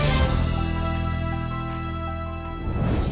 เริ่มเว้ย